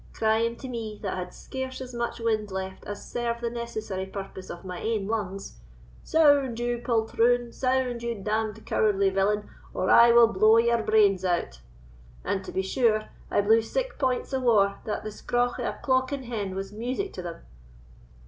—crying to me, that had scarce as much wind left as serve the necessary purpose of my ain lungs, 'Sound, you poltroon!—sound, you damned cowardly villain, or I will blow your brains out!' and, to be sure, I blew sic points of war that the scraugh of a clockin hen was music to them."